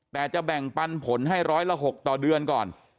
แต่จะแบ่งปันผลให้ร้อยละ๖ต่อเดือนก่อน